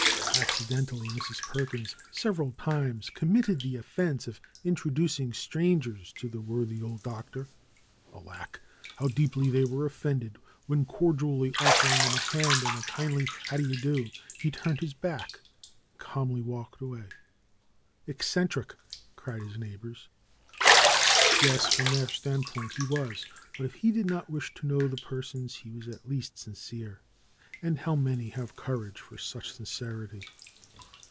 Accidentally Mrs. Perkins sev eral times committed the offense of introducing stran gers to the worthy old Doctor. Alack ! How deeply were they offended when cordially offering him a hand and a kindly ^^How d'ye do !" he turned his back and calmly walked away. Eccentric! cried his neighbors. Yes, from their standpoint he was. But if he did not wish to know the persons he was at least sincere. And how many have courage for such sincerity?